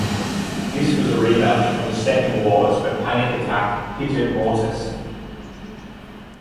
This was a rematch from the Second Wars when Panic Attack pitted Mortis.